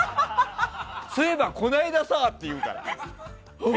そういえばこの間さって言うから。